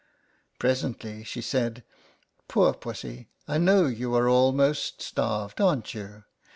Presently she said, "Poor pussy, I know you are al most starved, aren't you